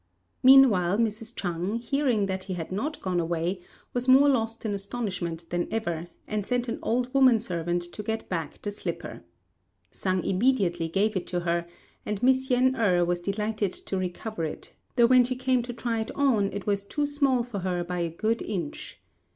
Meanwhile Mrs. Chang, hearing that he had not gone away, was more lost in astonishment than ever, and sent an old woman servant to get back the slipper. Sang immediately gave it to her, and Miss Yen êrh was delighted to recover it, though when she came to try it on it was too small for her by a good inch.